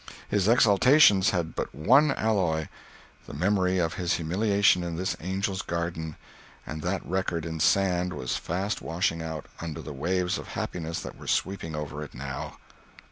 His exaltation had but one alloy—the memory of his humiliation in this angel's garden—and that record in sand was fast washing out, under the waves of happiness that were sweeping over it now.